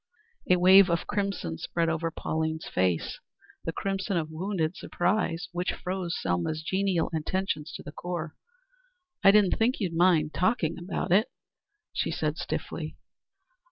A wave of crimson spread over Pauline's face the crimson of wounded surprise, which froze Selma's genial intentions to the core. "I didn't think you'd mind talking about it," she said stiffly.